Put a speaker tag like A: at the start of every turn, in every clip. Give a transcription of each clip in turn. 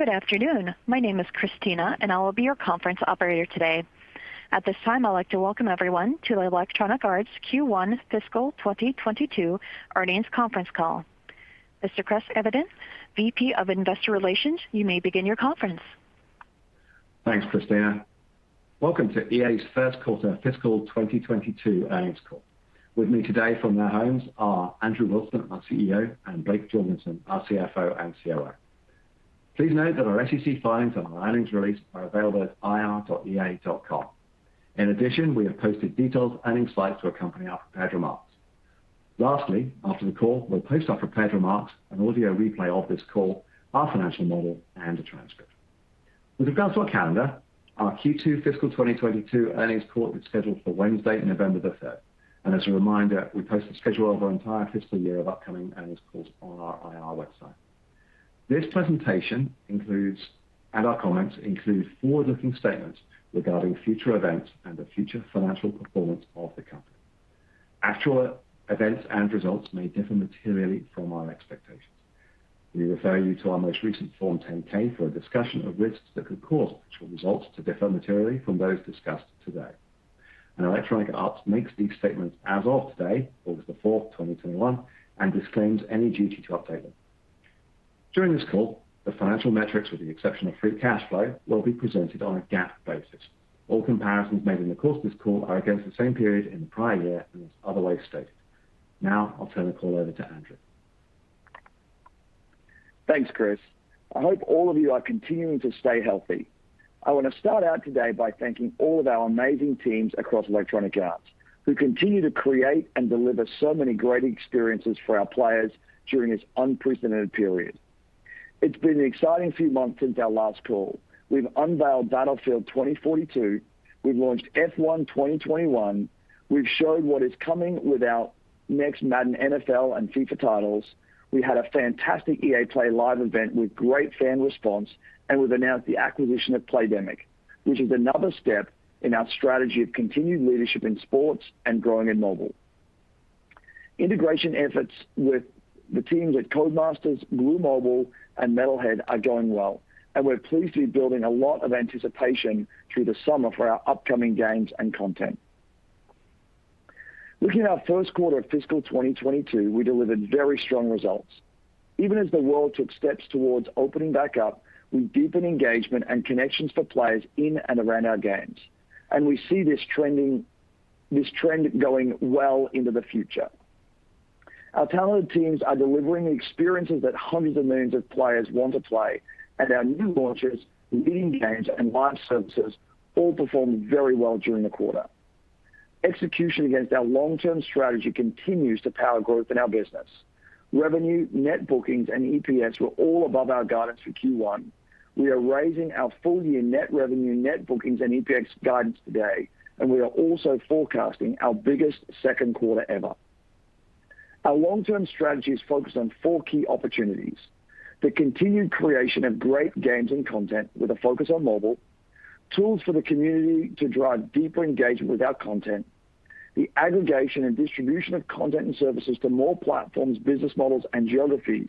A: Good afternoon. My name is Christina, and I will be your conference operator today. At this time, I'd like to welcome everyone to the Electronic Arts Q1 Fiscal 2022 Earnings Conference Call. Mr. Chris Evenden, VP of Investor Relations, you may begin your conference.
B: Thanks, Christina. Welcome to EA's first quarter fiscal 2022 earnings call. With me today from their homes are Andrew Wilson, our CEO, and Blake Jorgensen, our CFO and COO. Please note that our SEC filings and our earnings release are available at ir.ea.com. In addition, we have posted detailed earnings slides to accompany our prepared remarks. Lastly, after the call, we'll post our prepared remarks, an audio replay of this call, our financial model, and the transcript. With regards to our calendar, our Q2 fiscal 2022 earnings call is scheduled for Wednesday, November the 3rd. As a reminder, we posted a schedule of our entire fiscal year of upcoming earnings calls on our IR website. This presentation and our comments include forward-looking statements regarding future events and the future financial performance of the company. Actual events and results may differ materially from our expectations. We refer you to our most recent Form 10-K for a discussion of risks that could cause actual results to differ materially from those discussed today. Electronic Arts makes these statements as of today, August the 4th, 2021, and disclaims any duty to update them. During this call, the financial metrics, with the exception of free cash flow, will be presented on a GAAP basis. All comparisons made in the course of this call are against the same period in the prior year unless otherwise stated. Now, I'll turn the call over to Andrew.
C: Thanks, Chris. I hope all of you are continuing to stay healthy. I want to start out today by thanking all of our amazing teams across Electronic Arts, who continue to create and deliver so many great experiences for our players during this unprecedented period. It's been an exciting few months since our last call. We've unveiled Battlefield 2042, we've launched F1 2021, we've showed what is coming with our next Madden NFL and FIFA titles, we had a fantastic EA Play Live event with great fan response, and we've announced the acquisition of Playdemic, which is another step in our strategy of continued leadership in sports and growing in mobile. Integration efforts with the teams at Codemasters, Glu Mobile, and Metalhead are going well, and we're pleased to be building a lot of anticipation through the summer for our upcoming games and content. Looking at our first quarter of fiscal 2022, we delivered very strong results. Even as the world took steps towards opening back up, we deepened engagement and connections for players in and around our games, and we see this trend going well into the future. Our talented teams are delivering the experiences that hundreds of millions of players want to play, and our new launches, leading games, and live services all performed very well during the quarter. Execution against our long-term strategy continues to power growth in our business. Revenue, net bookings, and EPS were all above our guidance for Q1. We are raising our full-year net revenue, net bookings, and EPS guidance today, and we are also forecasting our biggest second quarter ever. Our long-term strategy is focused on four key opportunities. The continued creation of great games and content with a focus on mobile, tools for the community to drive deeper engagement with our content, the aggregation and distribution of content and services to more platforms, business models, and geographies,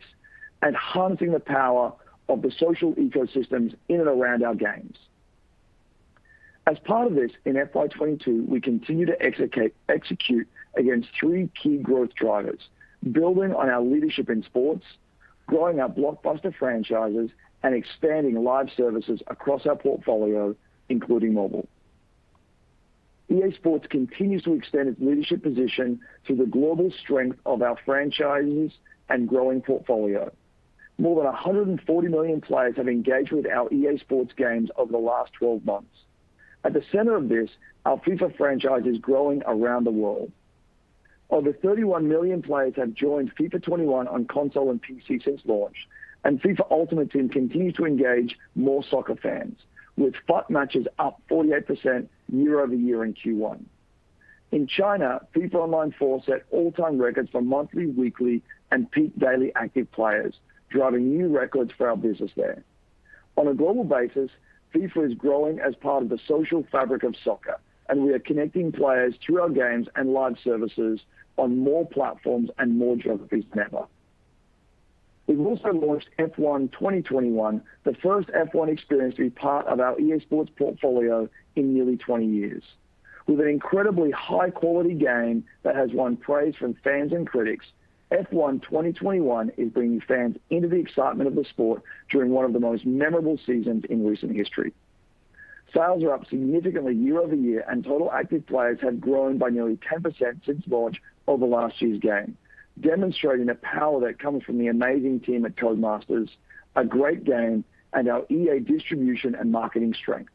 C: and harnessing the power of the social ecosystems in and around our games. As part of this, in FY 2022, we continue to execute against three key growth drivers, building on our leadership in sports, growing our blockbuster franchises, and expanding live services across our portfolio, including mobile. EA Sports continues to extend its leadership position through the global strength of our franchises and growing portfolio. More than 140 million players have engaged with our EA Sports games over the last 12 months. At the center of this, our FIFA franchise is growing around the world. Over 31 million players have joined FIFA 21 on console and PC since launch, and FIFA Ultimate Team continues to engage more soccer fans, with FUT matches up 48% year-over-year in Q1. In China, FIFA Online 4 set all-time records for monthly, weekly, and peak daily active players, driving new records for our business there. On a global basis, FIFA is growing as part of the social fabric of soccer, and we are connecting players through our games and live services on more platforms and more geographies than ever. We've also launched F1 2021, the first F1 experience to be part of our EA Sports portfolio in nearly 20 years. With an incredibly high-quality game that has won praise from fans and critics, F1 2021 is bringing fans into the excitement of the sport during one of the most memorable seasons in recent history. Sales are up significantly year-over-year, and total active players have grown by nearly 10% since launch over last year's game, demonstrating the power that comes from the amazing team at Codemasters, a great game, and our EA distribution and marketing strength.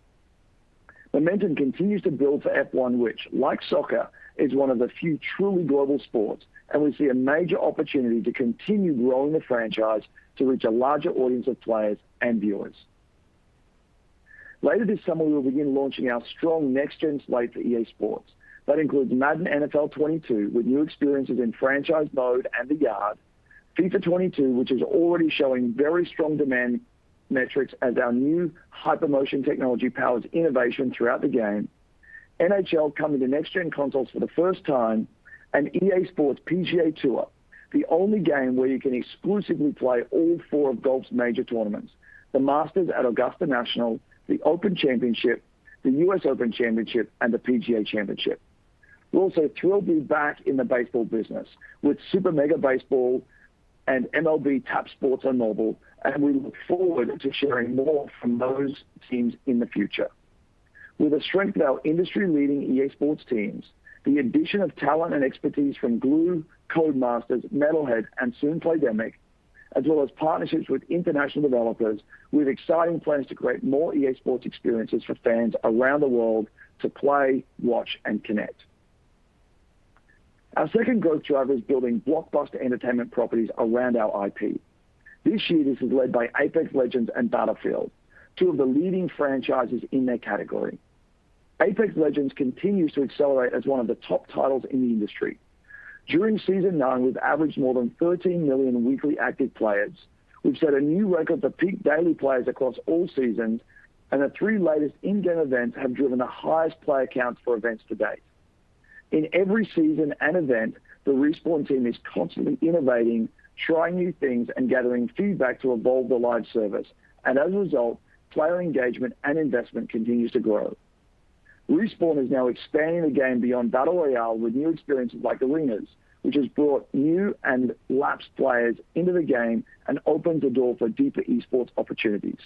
C: Momentum continues to build for F1, which, like soccer, is one of the few truly global sports, and we see a major opportunity to continue growing the franchise to reach a larger audience of players and viewers. Later this summer, we will begin launching our strong next-gen slate for EA Sports. That includes Madden NFL 22, with new experiences in Franchise Mode and The Yard, FIFA 22, which is already showing very strong demand metrics as our new HyperMotion technology powers innovation throughout the game, NHL coming to next-gen consoles for the first time, and EA Sports PGA Tour, the only game where you can exclusively play all four of golf's major tournaments: the Masters at Augusta National, The Open Championship, the U.S. Open Championship, and the PGA Championship. We are also thrilled to be back in the baseball business with Super Mega Baseball and MLB Tap Sports on mobile, and we look forward to sharing more from those teams in the future. With the strength of our industry-leading EA Sports teams, the addition of talent and expertise from Glu, Codemasters, Metalhead, and soon Playdemic, as well as partnerships with international developers, we have exciting plans to create more EA Sports experiences for fans around the world to play, watch, and connect. Our second growth driver is building blockbuster entertainment properties around our IP. This year, this is led by Apex Legends and Battlefield, two of the leading franchises in their category. Apex Legends continues to accelerate as one of the top titles in the industry. During Season 9, we've averaged more than 13 million weekly active players. We've set a new record for peak daily players across all seasons, and the three latest in-game events have driven the highest player counts for events to-date. In every season and event, the Respawn team is constantly innovating, trying new things, and gathering feedback to evolve the live service. As a result, player engagement and investment continues to grow. Respawn is now expanding the game beyond battle royale with new experiences like Arenas, which has brought new and lapsed players into the game and opens the door for deeper esports opportunities.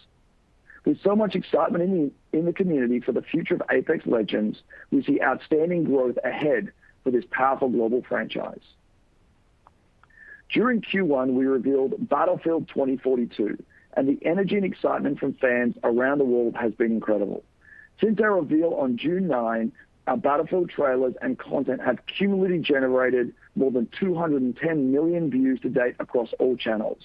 C: With so much excitement in the community for the future of Apex Legends, we see outstanding growth ahead for this powerful global franchise. During Q1, we revealed Battlefield 2042, and the energy and excitement from fans around the world has been incredible. Since our reveal on June 9, our Battlefield trailers and content have cumulatively generated more than 210 million views to date across all channels.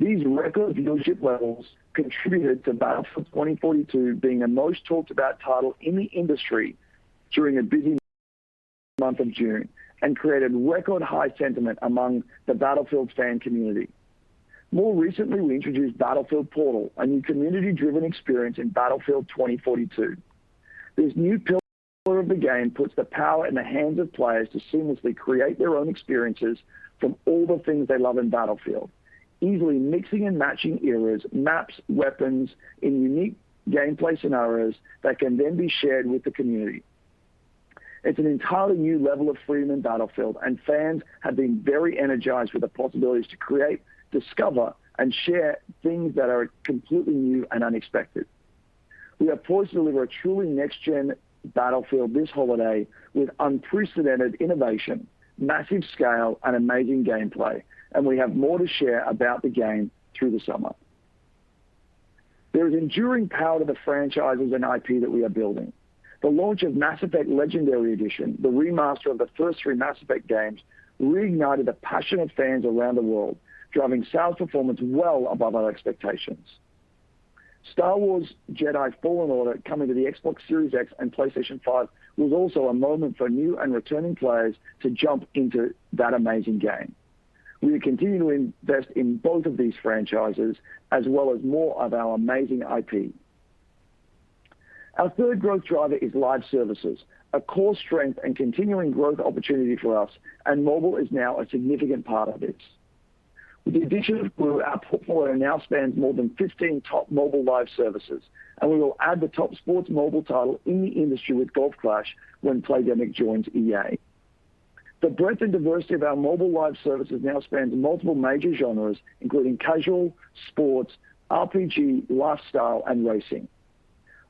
C: These record viewership levels contributed to Battlefield 2042 being the most talked about title in the industry during the busy month of June and created record high sentiment among the Battlefield fan community. More recently, we introduced Battlefield Portal, a new community-driven experience in Battlefield 2042. This new pillar of the game puts the power in the hands of players to seamlessly create their own experiences from all the things they love in Battlefield, easily mixing and matching eras, maps, weapons in unique gameplay scenarios that can then be shared with the community. It's an entirely new level of freedom in Battlefield, and fans have been very energized with the possibilities to create, discover, and share things that are completely new and unexpected. We are poised to deliver a truly next-gen Battlefield this holiday with unprecedented innovation, massive scale, and amazing gameplay. We have more to share about the game through the summer. There is enduring power to the franchises and IP that we are building. The launch of Mass Effect Legendary Edition, the remaster of the first 3 Mass Effect games, reignited the passionate fans around the world, driving sales performance well above our expectations. Star Wars Jedi: Fallen Order coming to the Xbox Series X and PlayStation 5 was also a moment for new and returning players to jump into that amazing game. We will continue to invest in both of these franchises, as well as more of our amazing IP. Our third growth driver is live services, a core strength and continuing growth opportunity for us. Mobile is now a significant part of this. With the addition of Glu, our portfolio now spans more than 15 top mobile live services, and we will add the top sports mobile title in the industry with Golf Clash when Playdemic joins EA. The breadth and diversity of our mobile live services now spans multiple major genres, including casual, sports, RPG, lifestyle, and racing.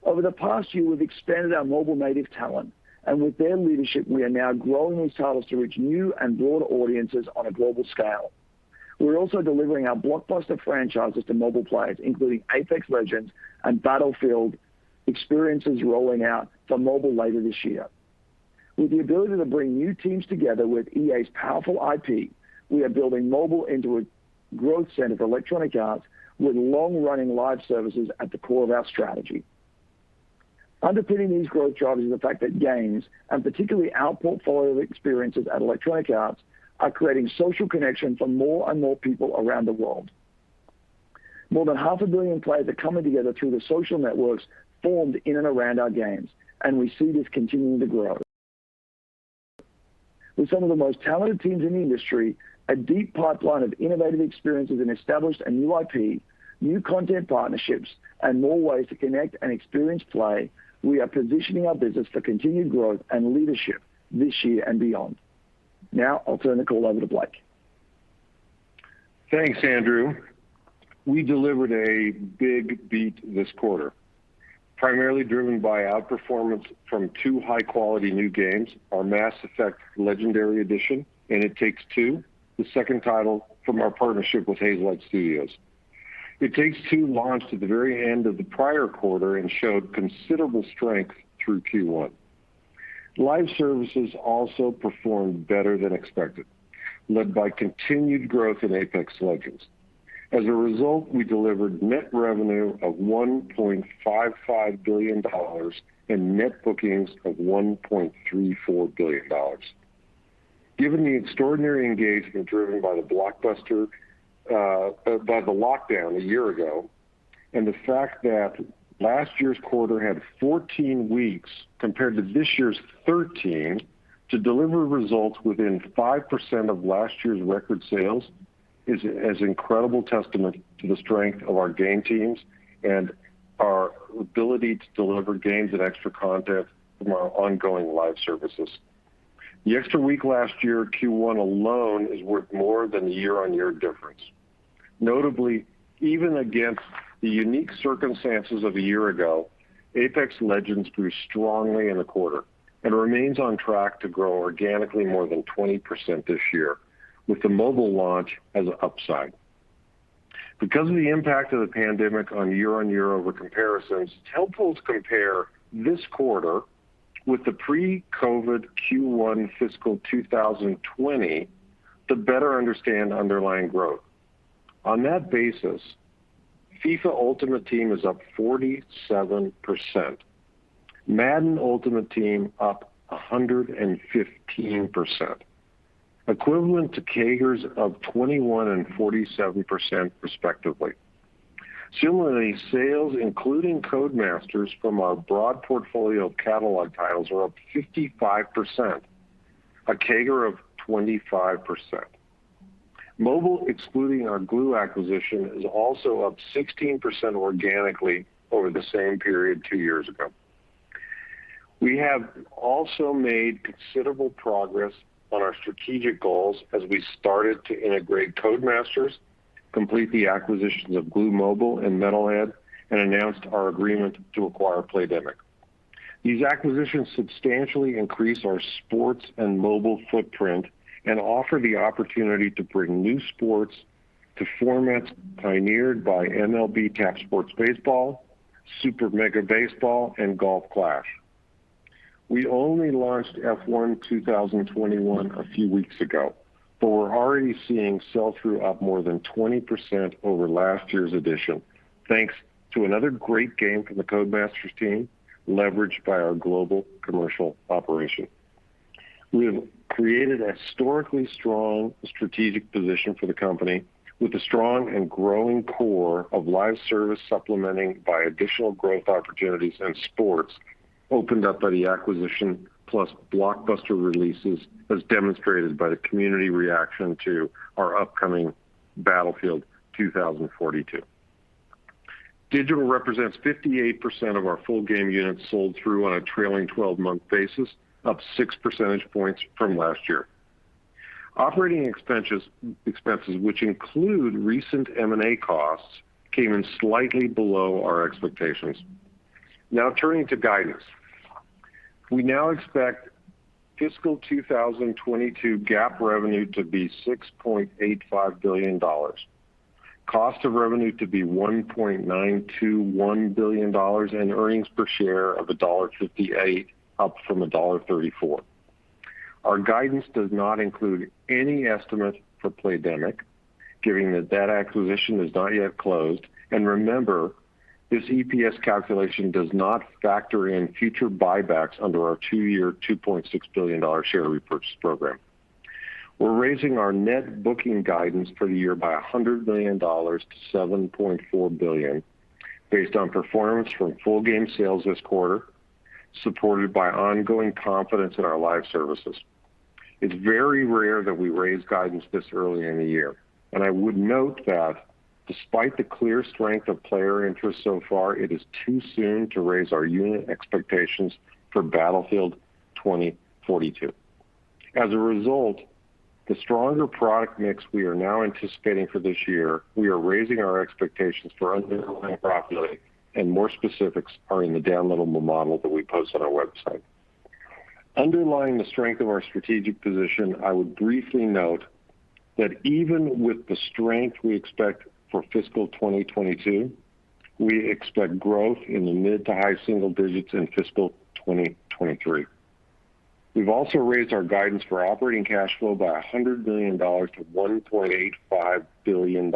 C: Over the past year, we've expanded our mobile-native talent, and with their leadership, we are now growing these titles to reach new and broader audiences on a global scale. We're also delivering our blockbuster franchises to mobile players, including Apex Legends and Battlefield experiences rolling out for mobile later this year. With the ability to bring new teams together with EA's powerful IP, we are building mobile into a growth center for Electronic Arts with long-running live services at the core of our strategy. Underpinning these growth drivers is the fact that games, and particularly our portfolio of experiences at Electronic Arts, are creating social connection for more and more people around the world. More than half a billion players are coming together through the social networks formed in and around our games, and we see this continuing to grow. With some of the most talented teams in the industry, a deep pipeline of innovative experiences and established and new IP, new content partnerships, and more ways to connect and experience play, we are positioning our business for continued growth and leadership this year and beyond. Now I'll turn the call over to Blake.
D: Thanks, Andrew. We delivered a big beat this quarter, primarily driven by outperformance from two high-quality new games, our Mass Effect Legendary Edition and It Takes Two, the second title from our partnership with Hazelight Studios. It Takes Two launched at the very end of the prior quarter and showed considerable strength through Q1. Live services also performed better than expected, led by continued growth in Apex Legends. As a result, we delivered net revenue of $1.55 billion and net bookings of $1.34 billion. Given the extraordinary engagement driven by the lockdown a year ago, and the fact that last year's quarter had 14 weeks compared to this year's 13, to deliver results within 5% of last year's record sales is an incredible testament to the strength of our game teams and our ability to deliver games and extra content from our ongoing live services. The extra week last year, Q1 alone is worth more than the year-on-year difference. Notably, even against the unique circumstances of a year ago, Apex Legends grew strongly in the quarter and remains on track to grow organically more than 20% this year, with the mobile launch as an upside. Because of the impact of the pandemic on year-on-year over comparisons, it's helpful to compare this quarter with the pre-COVID Q1 fiscal 2020 to better understand underlying growth. On that basis, FIFA Ultimate Team is up 47%. Madden Ultimate Team up 115%, equivalent to CAGRs of 21% and 47% respectively. Similarly, sales including Codemasters from our broad portfolio of catalog titles are up 55%, a CAGR of 25%. Mobile, excluding our Glu acquisition, is also up 16% organically over the same period two years ago. We have also made considerable progress on our strategic goals as we started to integrate Codemasters, complete the acquisitions of Glu Mobile and Metalhead, and announced our agreement to acquire Playdemic. These acquisitions substantially increase our sports and mobile footprint and offer the opportunity to bring new sports to formats pioneered by MLB Tap Sports Baseball, Super Mega Baseball, and Golf Clash. We only launched F1 2021 a few weeks ago, but we're already seeing sell-through up more than 20% over last year's edition, thanks to another great game from the Codemasters team, leveraged by our global commercial operation. We have created a historically strong strategic position for the company with a strong and growing core of live service supplementing by additional growth opportunities and sports opened up by the acquisition, plus blockbuster releases as demonstrated by the community reaction to our upcoming Battlefield 2042. Digital represents 58% of our full game units sold through on a trailing 12-month basis, up six percentage points from last year. Operating expenses, which include recent M&A costs, came in slightly below our expectations. Turning to guidance. We now expect fiscal 2022 GAAP revenue to be $6.85 billion. Cost of revenue to be $1.921 billion and earnings per share of $1.58 up from $1.34. Our guidance does not include any estimate for Playdemic, given that that acquisition is not yet closed. Remember, this EPS calculation does not factor in future buybacks under our two-year, $2.6 billion share repurchase program. We're raising our net booking guidance for the year by $100 million to $7.4 billion based on performance from full game sales this quarter, supported by ongoing confidence in our live services. It's very rare that we raise guidance this early in the year. I would note that despite the clear strength of player interest so far, it is too soon to raise our unit expectations for Battlefield 2042. As a result, the stronger product mix we are now anticipating for this year, we are raising our expectations for underlying profitability. More specifics are in the downloadable model that we post on our website. Underlying the strength of our strategic position, I would briefly note that even with the strength we expect for fiscal 2022, we expect growth in the mid to high single digits in fiscal 2023. We've also raised our guidance for operating cash flow by $100 million to $1.85 billion,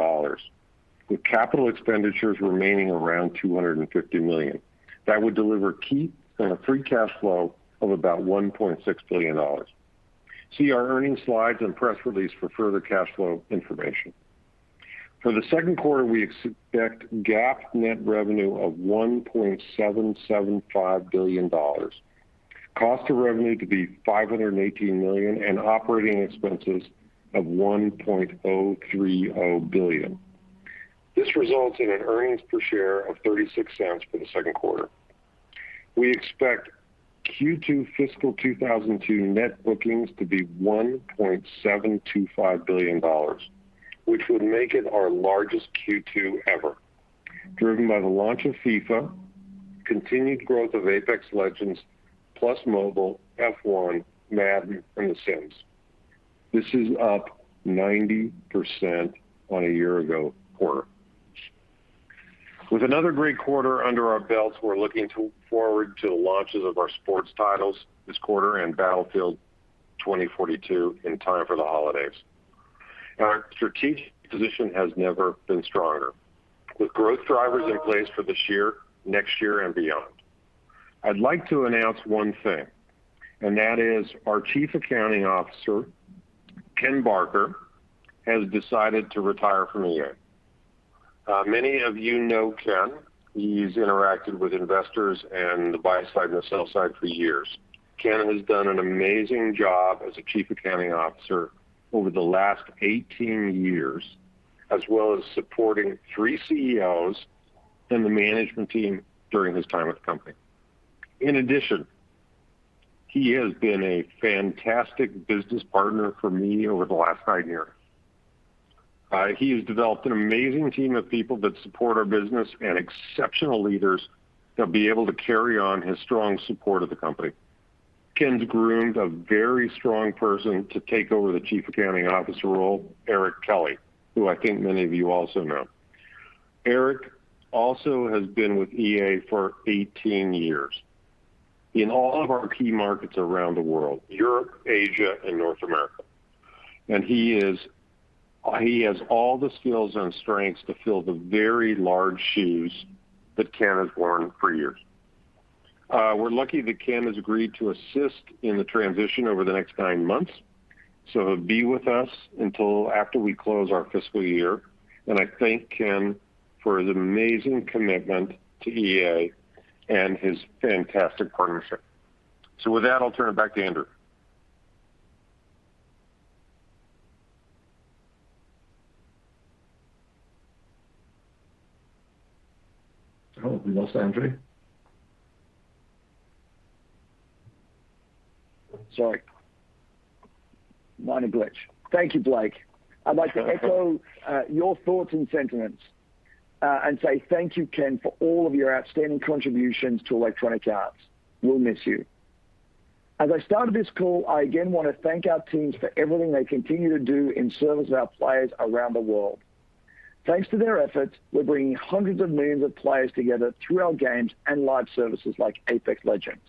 D: with capital expenditures remaining around $250 million. That would deliver free cash flow of about $1.6 billion. See our earnings slides and press release for further cash flow information. For the second quarter, we expect GAAP net revenue of $1.775 billion. Cost of revenue to be $518 million and operating expenses of $1.030 billion. This results in an earnings per share of $0.36 for the second quarter. We expect Q2 fiscal 2022 net bookings to be $1.725 billion, which would make it our largest Q2 ever, driven by the launch of FIFA, continued growth of Apex Legends, plus Mobile, F1, Madden, and The Sims. This is up 90% on a year-ago quarter. With another great quarter under our belts, we're looking forward to the launches of our sports titles this quarter and Battlefield 2042 in time for the holidays. Our strategic position has never been stronger, with growth drivers in place for this year, next year, and beyond. I'd like to announce one thing, and that is our Chief Accounting Officer, Ken Barker, has decided to retire from EA. Many of you know Ken. He's interacted with investors and the buy side and the sell side for years. Ken has done an amazing job as a chief accounting officer over the last 18 years, as well as supporting three CEOs and the management team during his time with the company. In addition, he has been a fantastic business partner for me over the last nine years. He has developed an amazing team of people that support our business and exceptional leaders that'll be able to carry on his strong support of the company. Ken's groomed a very strong person to take over the chief accounting officer role, Eric Kelly, who I think many of you also know. Eric also has been with EA for 18 years in all of our key markets around the world, Europe, Asia, and North America. He has all the skills and strengths to fill the very large shoes that Ken has worn for years. We're lucky that Ken has agreed to assist in the transition over the next 9 months, so he'll be with us until after we close our fiscal year. I thank Ken for his amazing commitment to EA and his fantastic partnership. With that, I'll turn it back to Andrew. Oh, we lost Andrew.
C: Sorry. Minor glitch. Thank you, Blake. I'd like to echo your thoughts and sentiments, and say thank you, Ken, for all of your outstanding contributions to Electronic Arts. We'll miss you. As I started this call, I again want to thank our teams for everything they continue to do in service of our players around the world. Thanks to their efforts, we're bringing hundreds of millions of players together through our games and live services like Apex Legends.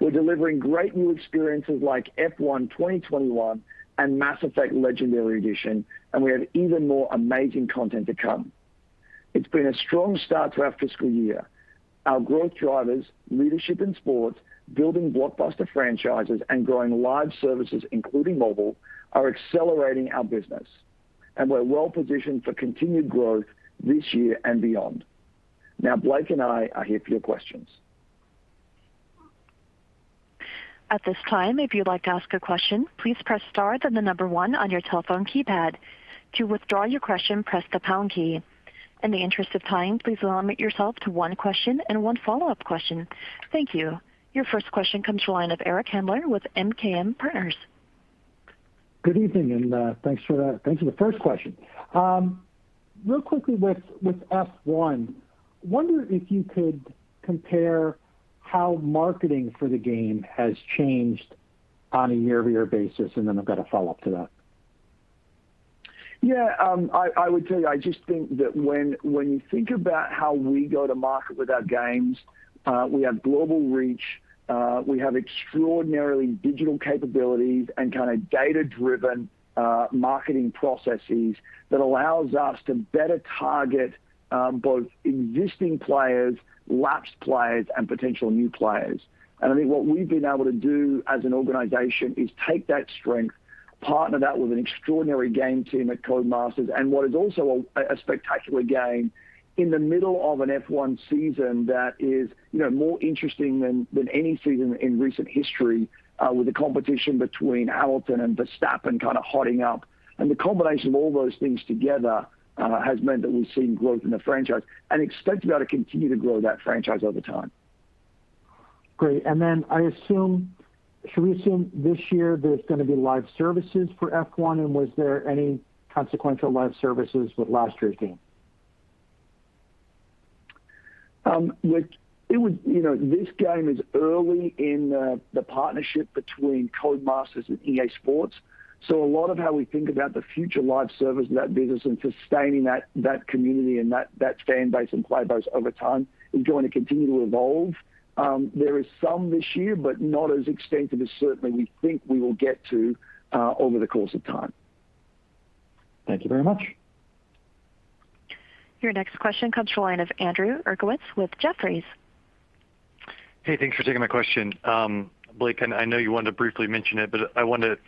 C: We're delivering great new experiences like F1 2021 and Mass Effect Legendary Edition, and we have even more amazing content to come. It's been a strong start to our fiscal year. Our growth drivers, leadership in sports, building blockbuster franchises, and growing live services, including mobile, are accelerating our business. We're well-positioned for continued growth this year and beyond. Now Blake and I are here for your questions.
A: At this time, if you'd like to ask a question, please press star and the number one on your telephone keypad. To withdraw your question, press the pound key. In the interest of time, please limit yourself to one question and one follow-up question. Thank you. Your first question comes to the line of Eric Handler with MKM Partners.
E: Good evening, thanks for the first question. Real quickly with F1, wonder if you could compare how marketing for the game has changed on a year-over-year basis, and then I've got a follow-up to that.
C: I would tell you, I just think that when you think about how we go to market with our games, we have global reach, we have extraordinarily digital capabilities, and data-driven marketing processes that allows us to better target both existing players, lapsed players, and potential new players. I think what we've been able to do as an organization is take that strength, partner that with an extraordinary game team at Codemasters, and what is also a spectacular game in the middle of an F1 season that is more interesting than any season in recent history, with the competition between Hamilton and Verstappen hotting up. The combination of all those things together has meant that we've seen growth in the franchise and expect to be able to continue to grow that franchise over time.
E: Great. Then should we assume this year there's going to be live services for F1, and was there any consequential live services with last year's game?
C: This game is early in the partnership between Codemasters and EA Sports, so a lot of how we think about the future live service of that business and sustaining that community and that fan base and player base over time is going to continue to evolve. There is some this year, but not as extensive as certainly we think we will get to over the course of time.
E: Thank you very much.
A: Your next question comes to the line of Andrew Uerkwitz with Jefferies.
F: Hey, thanks for taking my question. Blake, I know you wanted to briefly mention it, but I wanted to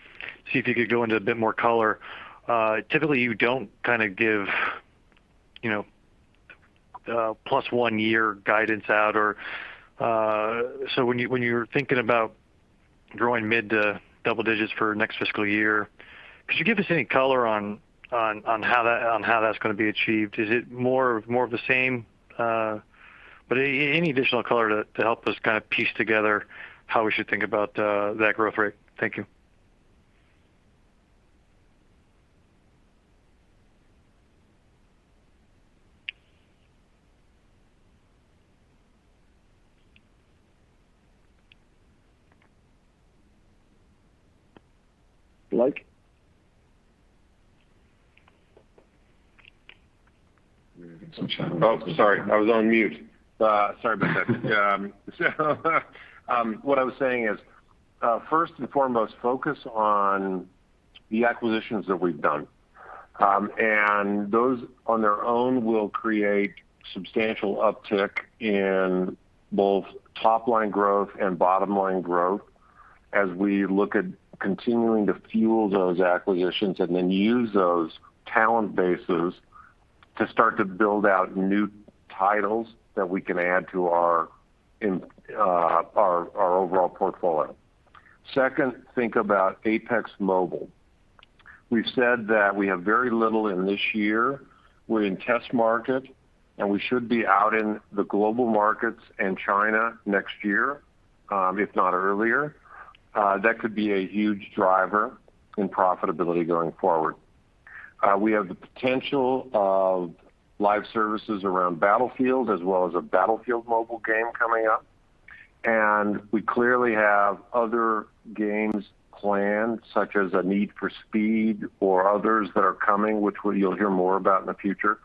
F: see if you could go into a bit more color. Typically, you don't give +1 year guidance out. When you're thinking about growing mid to double digits for next fiscal year, could you give us any color on how that's going to be achieved? Is it more of the same? Any additional color to help us piece together how we should think about that growth rate. Thank you.
C: Blake?
D: Oh, sorry. I was on mute. Sorry about that. What I was saying is first and foremost, focus on the acquisitions that we've done. Those on their own will create substantial uptick in both top-line growth and bottom-line growth as we look at continuing to fuel those acquisitions and then use those talent bases to start to build out new titles that we can add to our overall portfolio. Second, think about Apex Mobile. We've said that we have very little in this year. We're in test market, and we should be out in the global markets and China next year, if not earlier. That could be a huge driver in profitability going forward. We have the potential of live services around Battlefield as well as a Battlefield Mobile game coming up. We clearly have other games planned, such as a Need for Speed or others that are coming, which you'll hear more about in the future.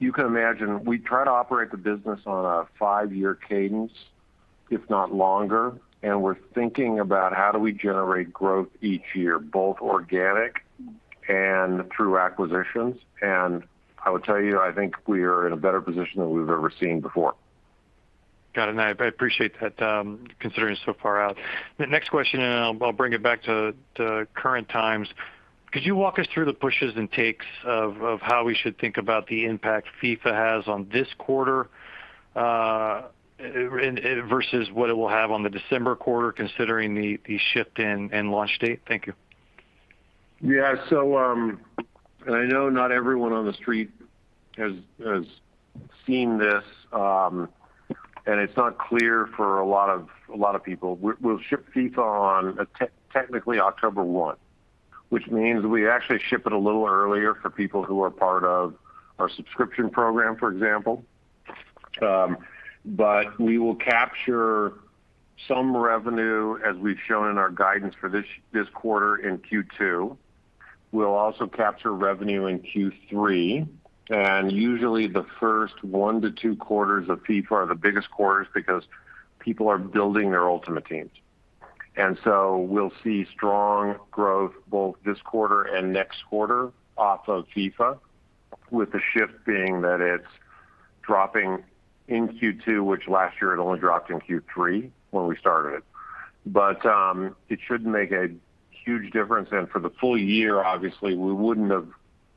D: You can imagine, we try to operate the business on a five-year cadence, if not longer, and we're thinking about how do we generate growth each year, both organic and through acquisitions. I would tell you, I think we are in a better position than we've ever seen before.
F: Got it. I appreciate that, considering it so far out. The next question, I'll bring it back to current times. Could you walk us through the pushes and takes of how we should think about the impact FIFA has on this quarter versus what it will have on the December quarter, considering the shift in launch date? Thank you.
D: I know not everyone on the street has seen this, and it's not clear for a lot of people. We'll ship FIFA on, technically October 1. Which means we actually ship it a little earlier for people who are part of our subscription program, for example. We will capture some revenue as we've shown in our guidance for this quarter in Q2. We'll also capture revenue in Q3, usually the first one to two quarters of FIFA are the biggest quarters because people are building their Ultimate Teams. We'll see strong growth both this quarter and next quarter off of FIFA, with the shift being that it's dropping in Q2, which last year it only dropped in Q3 when we started it. It should make a huge difference. For the full year, obviously, we wouldn't have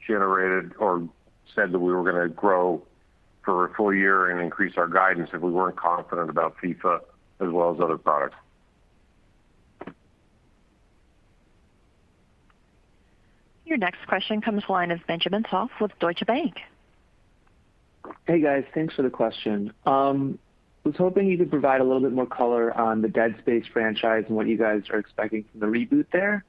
D: generated or said that we were going to grow for a full year and increase our guidance if we weren't confident about FIFA as well as other products.
A: Your next question comes line of Benjamin Soff with Deutsche Bank.
G: Hey, guys. Thanks for the question. I was hoping you could provide a little bit more color on the Dead Space franchise and what you guys are expecting from the reboot there.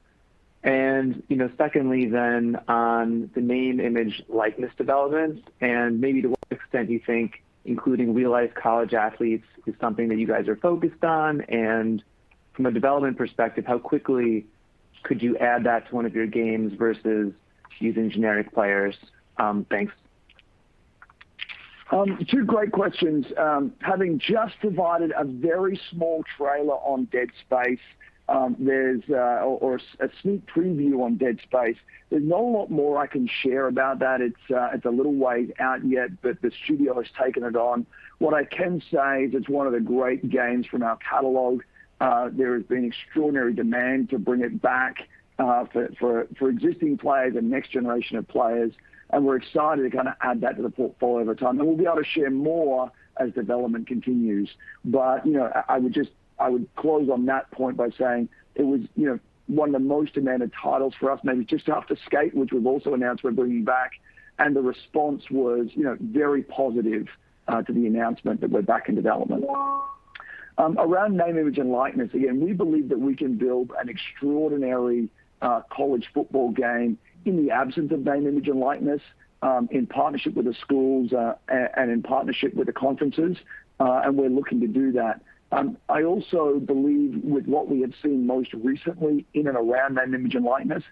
G: Secondly then on the name, image, likeness development, and maybe to what extent you think including real life college athletes is something that you guys are focused on. From a development perspective, how quickly could you add that to one of your games versus using generic players? Thanks.
C: Two great questions. Having just provided a very small trailer on Dead Space, or a sneak preview on Dead Space, there's not a lot more I can share about that. It's a little way out yet, but the studio has taken it on. What I can say is it's one of the great games from our catalog. There has been extraordinary demand to bring it back for existing players and next generation of players. We're excited to add that to the portfolio over time. We'll be able to share more as development continues. I would close on that point by saying it was one of the most demanded titles for us, maybe just after Skate, which we've also announced we're bringing back. The response was very positive to the announcement that we're back in development. Around name, image, and likeness, again, we believe that we can build an extraordinary college football game in the absence of name, image, and likeness, in partnership with the schools and in partnership with the conferences. We're looking to do that. I also believe with what we have seen most recently in and around name, image, and likeness,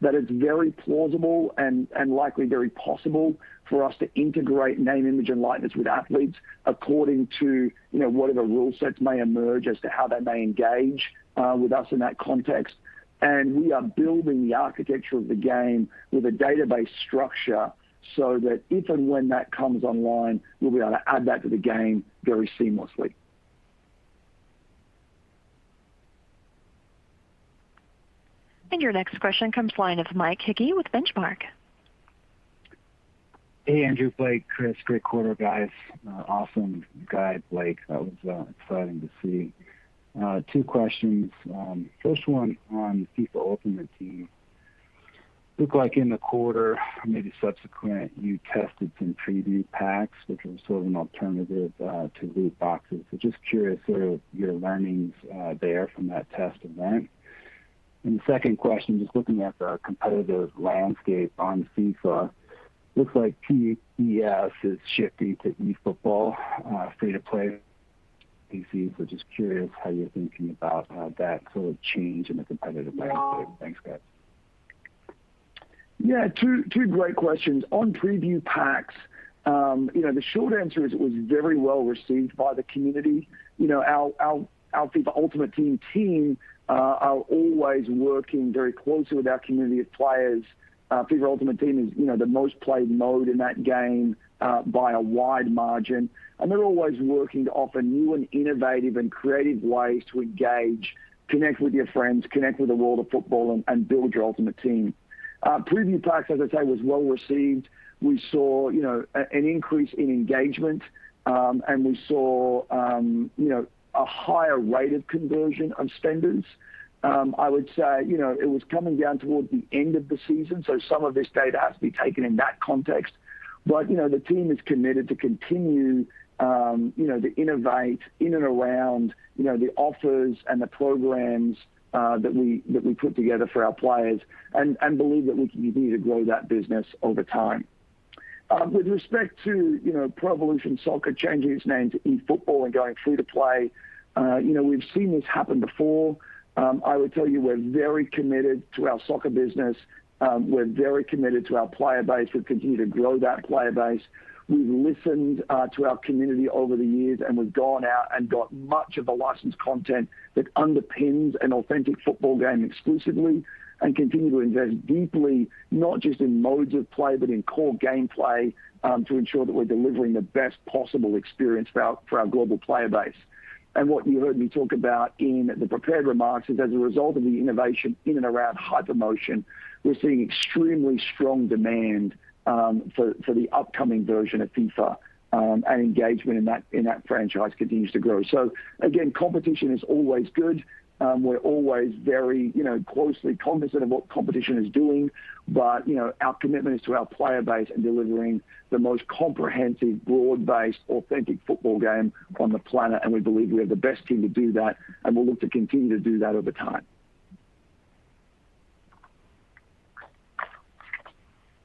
C: that it's very plausible and likely very possible for us to integrate name, image, and likeness with athletes according to whatever rule sets may emerge as to how they may engage with us in that context. We are building the architecture of the game with a database structure so that if and when that comes online, we'll be able to add that to the game very seamlessly.
A: Your next question comes line of Mike Hickey with Benchmark.
H: Hey, Andrew, Blake, Chris. Great quarter, guys. Awesome guide, Blake. That was exciting to see. Two questions. First one on FIFA Ultimate Team. Looked like in the quarter, maybe subsequent, you tested some Preview Packs, which were sort of an alternative to loot boxes. Just curious sort of your learnings there from that test event. The second question, just looking at the competitive landscape on FIFA. Looks like eFootball is shifting to eFootball free to play PC. Just curious how you're thinking about that sort of change in the competitive landscape. Thanks, guys.
C: Yeah, two great questions. On Preview Packs, the short answer is it was very well received by the community. Our FIFA Ultimate Team team are always working very closely with our community of players. FIFA Ultimate Team is the most-played mode in that game by a wide margin. They're always working to offer new and innovative and creative ways to engage, connect with your friends, connect with the world of football, and build your ultimate team. Preview Packs, as I say, was well received. We saw an increase in engagement. We saw a higher rate of conversion of spenders. I would say, it was coming down towards the end of the season. Some of this data has to be taken in that context. The team is committed to continue to innovate in and around the offers and the programs that we put together for our players and believe that we can continue to grow that business over time. With respect to Pro Evolution Soccer changing its name to eFootball and going free to play, we've seen this happen before. I would tell you we're very committed to our soccer business. We're very committed to our player base. We continue to grow that player base. We've listened to our community over the years, and we've gone out and got much of the licensed content that underpins an authentic football game exclusively and continue to invest deeply, not just in modes of play, but in core gameplay, to ensure that we're delivering the best possible experience for our global player base. What you heard me talk about in the prepared remarks is as a result of the innovation in and around HyperMotion, we're seeing extremely strong demand for the upcoming version of FIFA, and engagement in that franchise continues to grow. Again, competition is always good. We're always very closely cognizant of what competition is doing. Our commitment is to our player base and delivering the most comprehensive, broad-based, authentic football game on the planet, and we believe we have the best team to do that, and we'll look to continue to do that over time.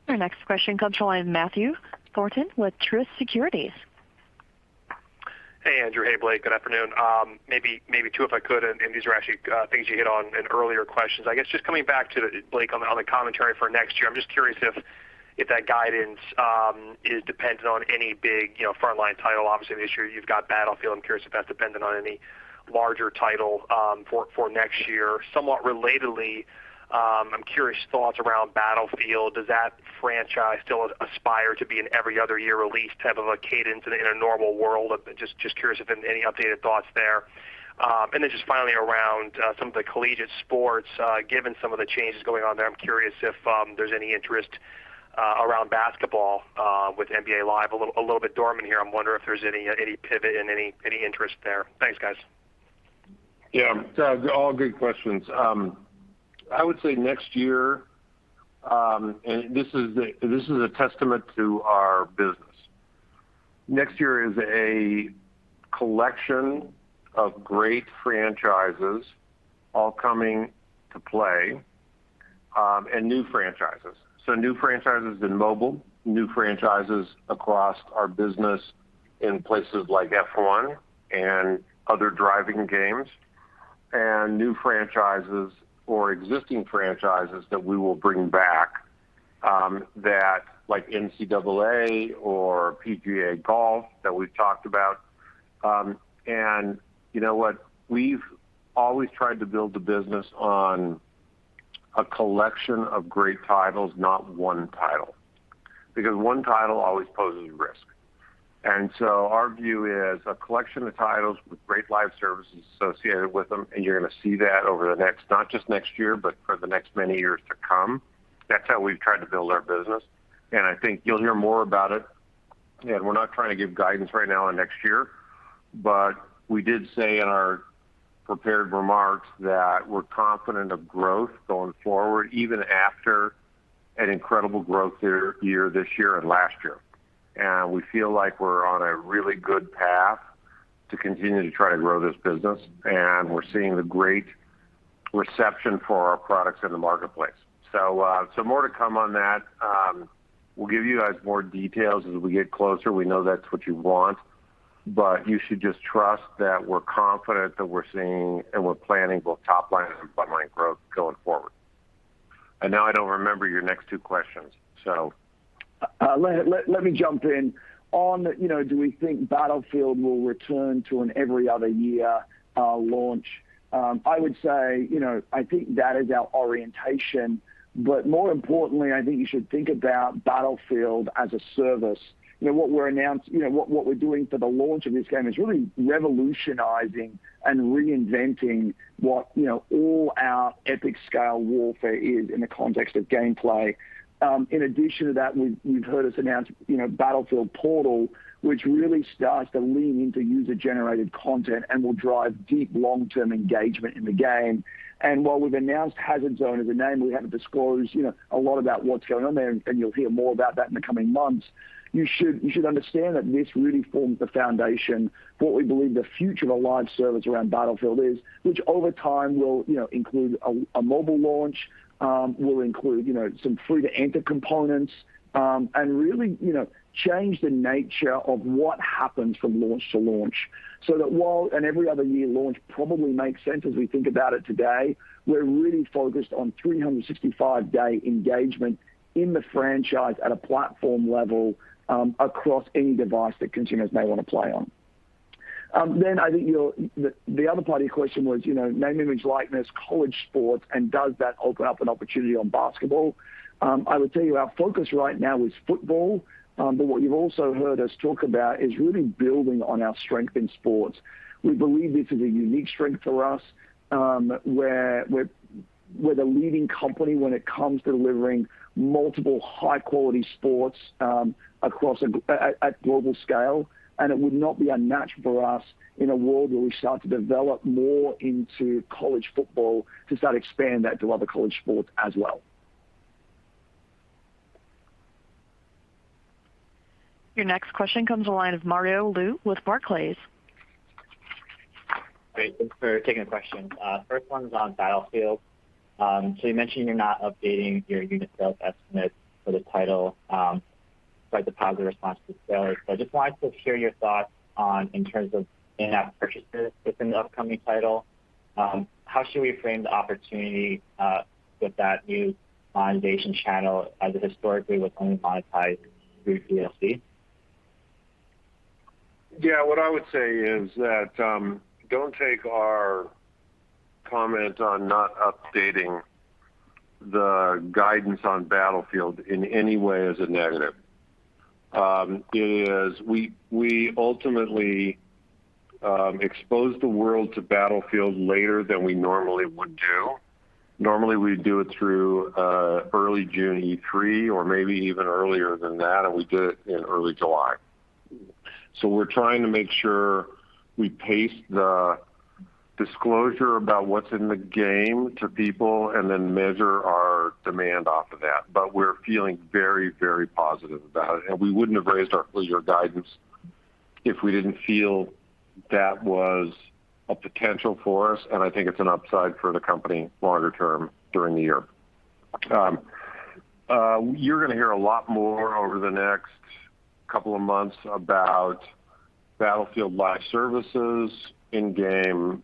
A: Our next question comes from Matthew Thornton with Truist Securities.
I: Hey, Andrew. Hey, Blake. Good afternoon. Maybe two if I could, and these are actually things you hit on in earlier questions. I guess just coming back to Blake on the commentary for next year, I'm just curious if that guidance is dependent on any big frontline title. Obviously, this year you've got Battlefield. I'm curious if that's dependent on any larger title for next year. Somewhat relatedly, I'm curious thoughts around Battlefield. Does that franchise still aspire to be an every other year release type of a cadence in a normal world? Just curious if any updated thoughts there. Just finally around some of the collegiate sports, given some of the changes going on there, I'm curious if there's any interest around basketball with NBA Live a little bit dormant here. I'm wondering if there's any pivot and any interest there. Thanks, guys.
D: Yeah. All good questions. I would say next year, and this is a testament to our business. Next year is a collection of great franchises all coming to play, and new franchises. New franchises in mobile, new franchises across our business in places like F1 and other driving games, and new franchises or existing franchises that we will bring back, like NCAA or PGA Golf that we've talked about. You know what? We've always tried to build the business on a collection of great titles, not one title, because one title always poses risk. Our view is a collection of titles with great live services associated with them, and you're going to see that over the next, not just next year, but for the next many years to come. That's how we've tried to build our business, and I think you'll hear more about it. We're not trying to give guidance right now on next year, but we did say in our prepared remarks that we're confident of growth going forward, even after an incredible growth year this year and last year. We feel like we're on a really good path to continue to try to grow this business, and we're seeing the great reception for our products in the marketplace. More to come on that. We'll give you guys more details as we get closer. We know that's what you want, but you should just trust that we're confident that we're seeing and we're planning both top line and bottom line growth going forward. Now I don't remember your next two questions.
C: Let me jump in. On do we think Battlefield will return to an every other year launch? I would say, I think that is our orientation, but more importantly, I think you should think about Battlefield as a service. What we're doing for the launch of this game is really revolutionizing and reinventing what all our epic-scale warfare is in the context of gameplay. In addition to that, you've heard us announce Battlefield Portal, which really starts to lean into user-generated content and will drive deep long-term engagement in the game. While we've announced Hazard Zone as a name, we haven't disclosed a lot about what's going on there, and you'll hear more about that in the coming months. You should understand that this really forms the foundation of what we believe the future of a live service around Battlefield is, which over time will include a mobile launch, will include some free-to-enter components, and really change the nature of what happens from launch to launch. While an every other year launch probably makes sense as we think about it today, we're really focused on 365-day engagement in the franchise at a platform level across any device that consumers may want to play on. I think the other part of your question was, name, image, likeness, college sports, and does that open up an opportunity on basketball? I would tell you our focus right now is football. What you've also heard us talk about is really building on our strength in sports. We believe this is a unique strength for us, where we're the leading company when it comes to delivering multiple high-quality sports at global scale, and it would not be unnatural for us in a world where we start to develop more into college football to start expanding that to other college sports as well.
A: Your next question comes the line of Mario Lu with Barclays.
J: Great. Thanks for taking the question. First one's on Battlefield. You mentioned you're not updating your unit sales estimate for the title, despite the positive response to sales. I just wanted to hear your thoughts on, in terms of in-app purchases with an upcoming title. How should we frame the opportunity with that new monetization channel as it historically was only monetized through DLC?
D: Yeah, what I would say is, don't take our comment on not updating the guidance on Battlefield in any way as a negative. We ultimately exposed the world to Battlefield later than we normally would do. Normally, we'd do it through early June E3 or maybe even earlier than that, we did it in early July. We're trying to make sure we pace the disclosure about what's in the game to people and then measure our demand off of that. We're feeling very, very positive about it, we wouldn't have raised our full-year guidance if we didn't feel that was a potential for us, I think it's an upside for the company longer term during the year. You're going to hear a lot more over the next couple of months about Battlefield live services, in-game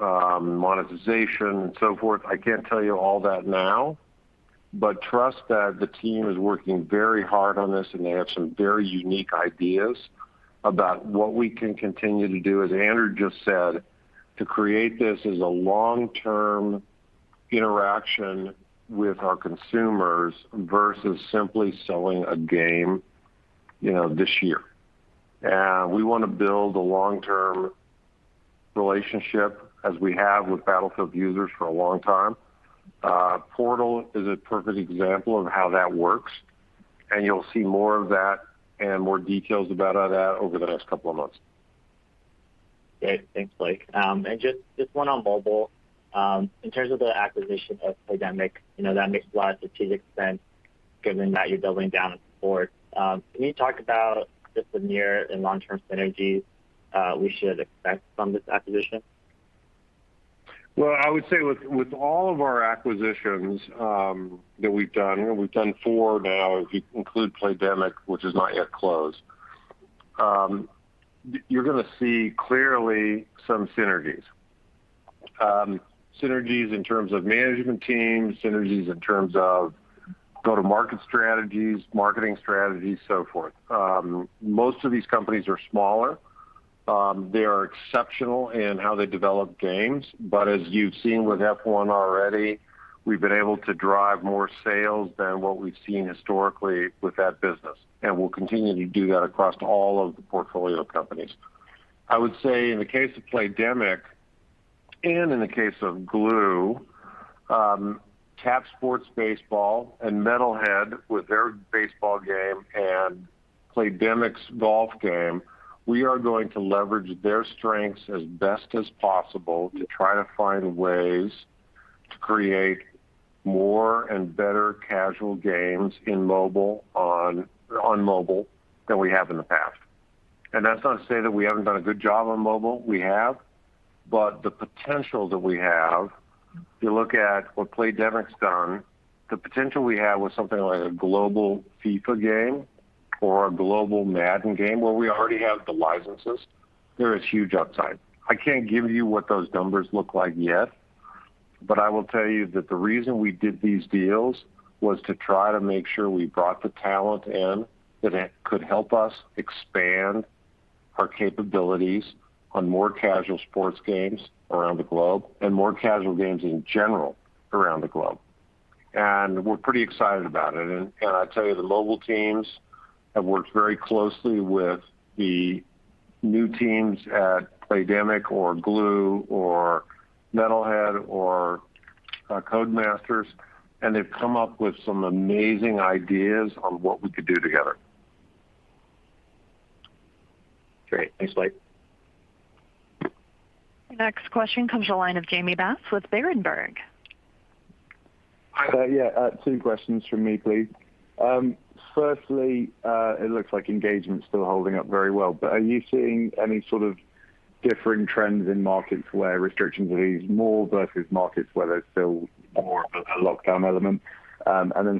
D: monetization, and so forth. I can't tell you all that now, but trust that the team is working very hard on this, and they have some very unique ideas about what we can continue to do, as Andrew just said, to create this as a long-term interaction with our consumers versus simply selling a game this year. We want to build a long-term relationship as we have with Battlefield users for a long time. Portal is a perfect example of how that works. You'll see more of that and more details about all that over the next couple of months.
J: Great. Thanks, Blake. Just one on mobile. In terms of the acquisition of Playdemic, that makes a lot of strategic sense given that you're doubling down on sports. Can you talk about just the near- and long-term synergies we should expect from this acquisition?
D: Well, I would say with all of our acquisitions that we've done, we've done four now if you include Playdemic, which is not yet closed. You're going to see clearly some synergies. Synergies in terms of management teams, synergies in terms of go-to-market strategies, marketing strategies, so forth. Most of these companies are smaller. They are exceptional in how they develop games. As you've seen with F1 already, we've been able to drive more sales than what we've seen historically with that business, and we'll continue to do that across all of the portfolio companies. I would say in the case of Playdemic and in the case of Glu, Tap Sports Baseball and Metalhead with their baseball game and Playdemic's golf game, we are going to leverage their strengths as best as possible to try to find ways to create more and better casual games on mobile than we have in the past. That's not to say that we haven't done a good job on mobile. We have. The potential that we have, if you look at what Playdemic's done, the potential we have with something like a global FIFA game or a global Madden game where we already have the licenses, there is huge upside. I can't give you what those numbers look like yet, but I will tell you that the reason we did these deals was to try to make sure we brought the talent in that could help us expand our capabilities on more casual sports games around the globe and more casual games in general around the globe. We're pretty excited about it. I'll tell you, the mobile teams have worked very closely with the new teams at Playdemic or Glu or Metalhead or Codemasters, and they've come up with some amazing ideas on what we could do together.
J: Great. Thanks, Blake.
A: Next question comes the line of Jamie Bass with Berenberg.
K: Two questions from me, please. Firstly, it looks like engagement's still holding up very well, but are you seeing any sort of differing trends in markets where restrictions are eased more versus markets where there's still more of a lockdown element?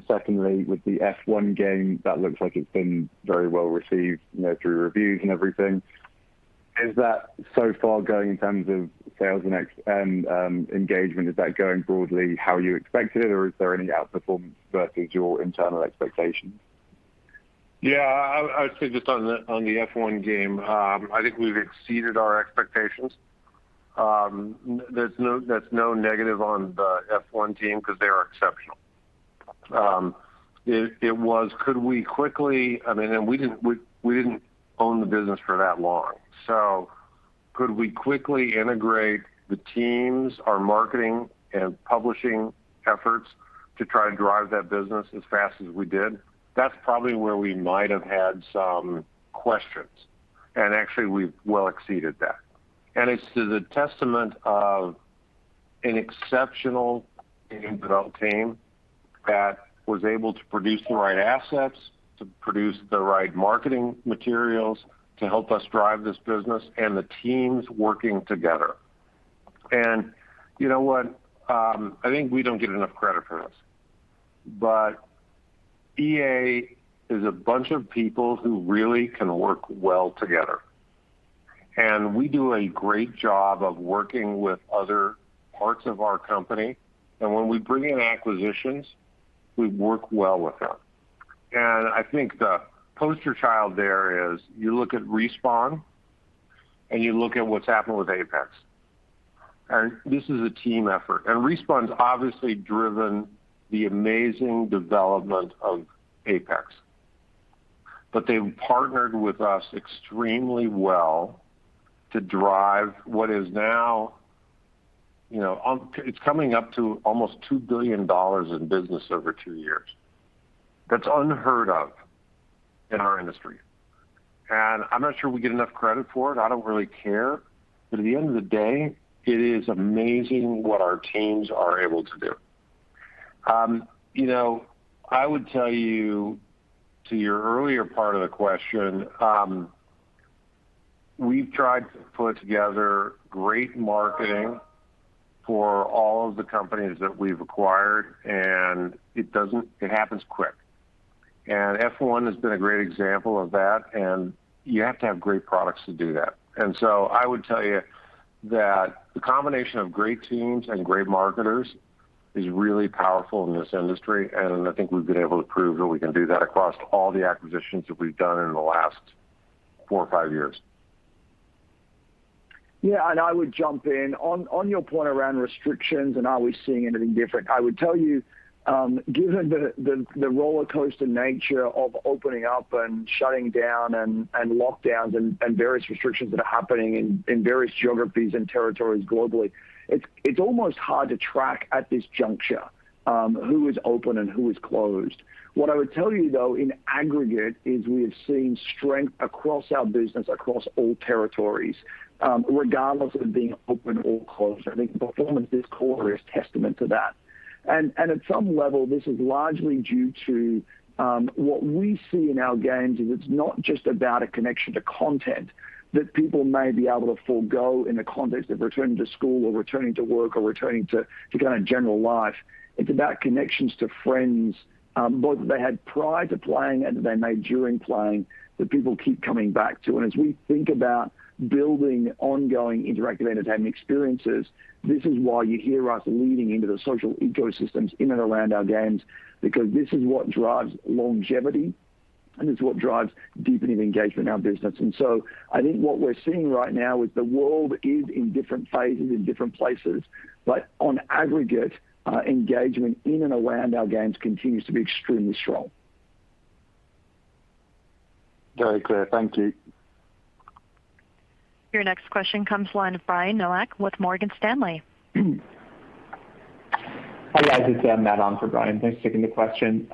K: Secondly, with the F1 game, that looks like it's been very well received through reviews and everything. Is that so far going in terms of sales and engagement, is that going broadly how you expected it, or is there any outperformance versus your internal expectations?
D: I would say just on the F1 game, I think we've exceeded our expectations. That's no negative on the F1 team because they are exceptional. We didn't own the business for that long. Could we quickly integrate the teams, our marketing and publishing efforts to try and drive that business as fast as we did? That's probably where we might have had some questions. Actually, we've well exceeded that. It's the testament of an exceptional game development team that was able to produce the right assets, to produce the right marketing materials to help us drive this business and the teams working together. You know what? I think we don't get enough credit for this. EA is a bunch of people who really can work well together, and we do a great job of working with other parts of our company. When we bring in acquisitions, we work well with them. I think the poster child there is you look at Respawn and you look at what's happened with Apex. This is a team effort. Respawn's obviously driven the amazing development of Apex, but they've partnered with us extremely well to drive what is now coming up to almost $2 billion in business over 2 years. That's unheard of in our industry. I'm not sure we get enough credit for it. I don't really care. At the end of the day, it is amazing what our teams are able to do. I would tell you to your earlier part of the question, we've tried to put together great marketing for all of the companies that we've acquired, and it happens quick. F1 has been a great example of that, and you have to have great products to do that. I would tell you that the combination of great teams and great marketers is really powerful in this industry, and I think we've been able to prove that we can do that across all the acquisitions that we've done in the last 4 or 5 years.
C: Yeah. I would jump in. On your point around restrictions and are we seeing anything different, I would tell you, given the rollercoaster nature of opening up and shutting down and lockdowns and various restrictions that are happening in various geographies and territories globally, it's almost hard to track at this juncture who is open and who is closed. What I would tell you, though, in aggregate, is we have seen strength across our business, across all territories, regardless of being open or closed. I think performance this quarter is testament to that. At some level, this is largely due to what we see in our games is it's not just about a connection to content that people may be able to forego in the context of returning to school or returning to work or returning to general life. It's about connections to friends, both that they had prior to playing and that they made during playing that people keep coming back to. As we think about building ongoing interactive entertainment experiences, this is why you hear us leaning into the social ecosystems in and around our games, because this is what drives longevity and it's what drives deepening engagement in our business. I think what we're seeing right now is the world is in different phases in different places. On aggregate, engagement in and around our games continues to be extremely strong.
K: Very clear. Thank you.
A: Your next question comes the line of Brian Nowak with Morgan Stanley.
L: Hi, guys. It's Matt on for Brian. Thanks for taking the question.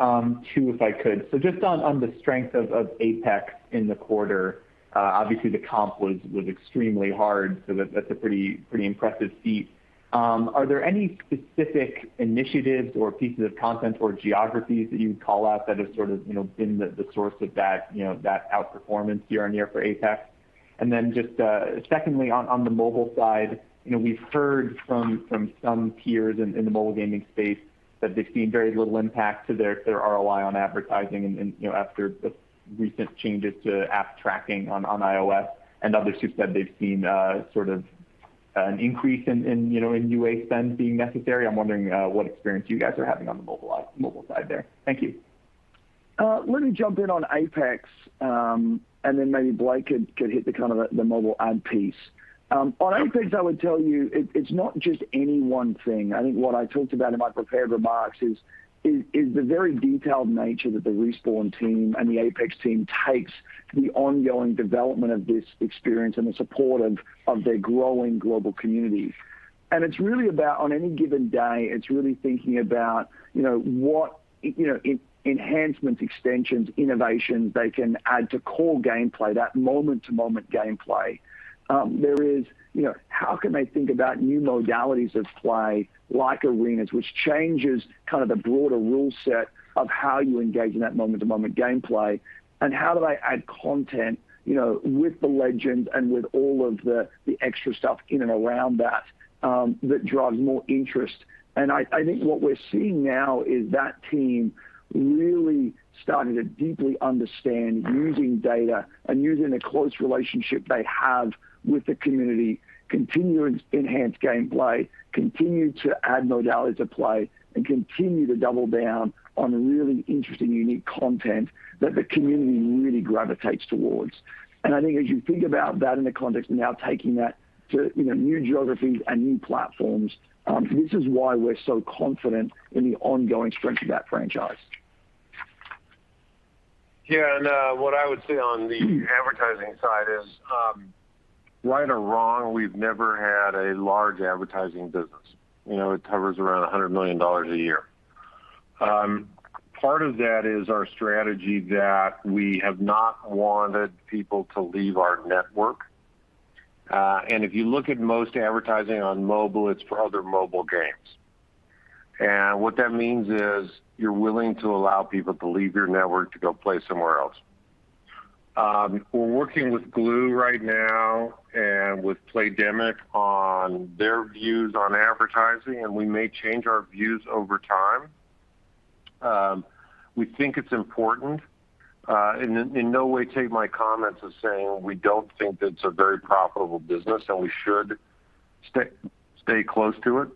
L: Two, if I could. Just on the strength of Apex in the quarter, obviously the comp was extremely hard, so that's a pretty impressive feat. Are there any specific initiatives or pieces of content or geographies that you would call out that have sort of been the source of that outperformance year-over-year for Apex? Just secondly, on the mobile side, we've heard from some peers in the mobile gaming space that they've seen very little impact to their ROI on advertising after the recent changes to app tracking on iOS and others who've said they've seen sort of an increase in UA spend being necessary. I'm wondering what experience you guys are having on the mobile side there. Thank you.
C: Let me jump in on Apex. Then maybe Blake could hit the kind of the mobile ad piece. On Apex, I would tell you it's not just any one thing. I think what I talked about in my prepared remarks is the very detailed nature that the Respawn team and the Apex team takes the ongoing development of this experience and the support of their growing global community. It's really about, on any given day, it's really thinking about what enhancements, extensions, innovations they can add to core gameplay, that moment to moment gameplay. There is how can they think about new modalities of play like Arenas, which changes kind of the broader rule set of how you engage in that moment to moment gameplay, and how do they add content with the legend and with all of the extra stuff in and around that that drives more interest. I think what we're seeing now is that team really starting to deeply understand using data and using the close relationship they have with the community, continue to enhance gameplay, continue to add modalities of play and continue to double down on really interesting, unique content that the community really gravitates towards. I think as you think about that in the context now taking that to new geographies and new platforms, this is why we're so confident in the ongoing strength of that franchise.
D: What I would say on the advertising side is, right or wrong, we've never had a large advertising business. It hovers around $100 million a year. Part of that is our strategy that we have not wanted people to leave our network. If you look at most advertising on mobile, it's for other mobile games. What that means is you're willing to allow people to leave your network to go play somewhere else. We're working with Glu right now and with Playdemic on their views on advertising, and we may change our views over time. We think it's important. In no way take my comments as saying we don't think that it's a very profitable business, and we should stay close to it.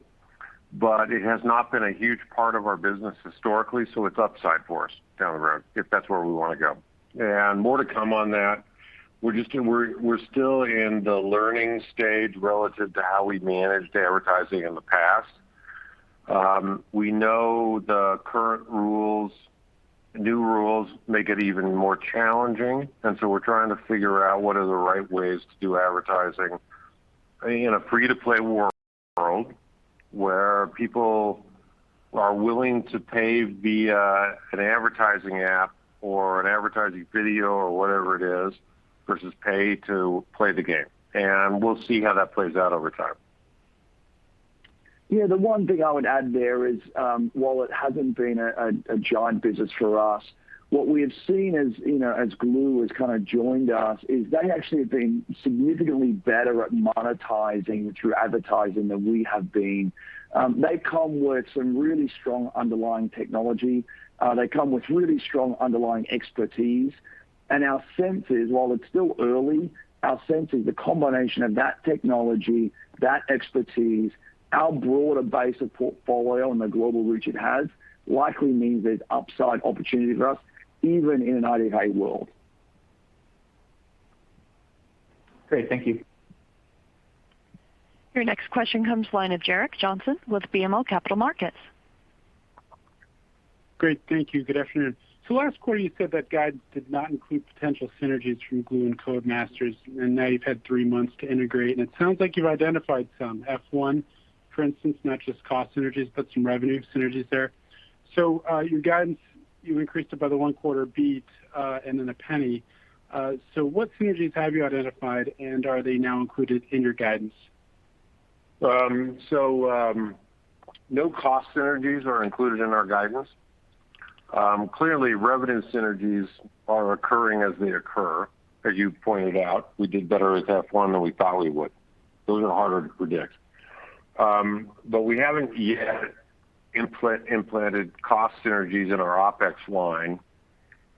D: It has not been a huge part of our business historically, so it's upside for us down the road if that's where we want to go. More to come on that. We're still in the learning stage relative to how we've managed advertising in the past. We know the current rules, new rules make it even more challenging, we're trying to figure out what are the right ways to do advertising in a free-to-play world where people are willing to pay via an advertising app or an advertising video or whatever it is, versus pay to play the game. We'll see how that plays out over time.
C: Yeah, the one thing I would add there is, while it hasn't been a giant business for us, what we have seen as Glu has joined us is they actually have been significantly better at monetizing through advertising than we have been. They come with some really strong underlying technology. They come with really strong underlying expertise. Our sense is, while it's still early, our sense is the combination of that technology, that expertise, our broader base of portfolio and the global reach it has likely means there's upside opportunity for us even in an IDFA world.
L: Great. Thank you.
A: Your next question comes line of Gerrick Johnson with BMO Capital Markets.
M: Great. Thank you. Good afternoon. Last quarter, you said that guidance did not include potential synergies through Glu and Codemasters. Now you've had 3 months to integrate, it sounds like you've identified some. F1, for instance, not just cost synergies, but some revenue synergies there. Your guidance, you increased it by the one-quarter beat and then $0.01. What synergies have you identified? Are they now included in your guidance?
D: No cost synergies are included in our guidance. Clearly, revenue synergies are occurring as they occur. As you pointed out, we did better with F1 than we thought we would. Those are harder to predict. We haven't yet implanted cost synergies in our OpEx line.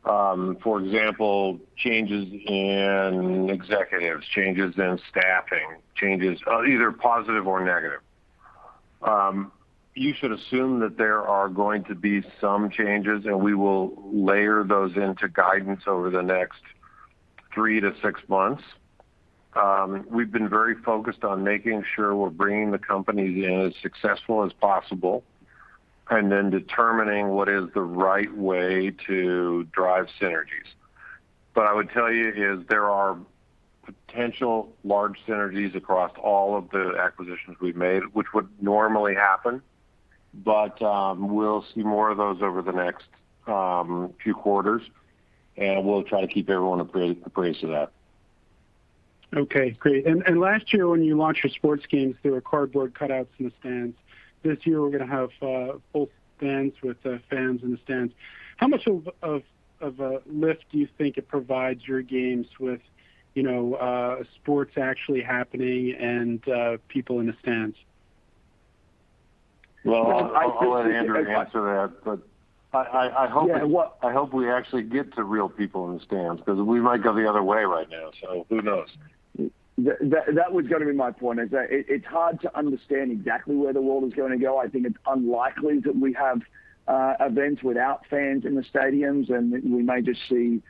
D: For example, changes in executives, changes in staffing, either positive or negative. You should assume that there are going to be some changes, and we will layer those into guidance over the next three to six months. We've been very focused on making sure we're bringing the companies in as successful as possible, and then determining what is the right way to drive synergies. I would tell you is there are potential large synergies across all of the acquisitions we've made, which would normally happen. We'll see more of those over the next few quarters, and we'll try to keep everyone appraised of that.
M: Okay, great. Last year when you launched your sports games, there were cardboard cutouts in the stands. This year, we're going to have full stands with fans in the stands. How much of a lift do you think it provides your games with sports actually happening and people in the stands?
D: Well, I'll let Andrew answer that, but I hope-
C: Yeah.
D: I hope we actually get to real people in the stands because we might go the other way right now, so who knows?
C: That was going to be my point, is that it's hard to understand exactly where the world is going to go. I think it's unlikely that we have events without fans in the stadiums, and we may just see